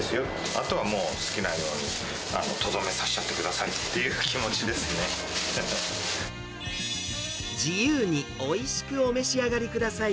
あとはもう、好きなようにとどめ刺しちゃってくださいっていう気自由においしくお召し上がりください。